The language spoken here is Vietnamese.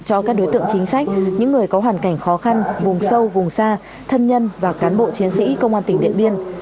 cho các đối tượng chính sách những người có hoàn cảnh khó khăn vùng sâu vùng xa thân nhân và cán bộ chiến sĩ công an tỉnh điện biên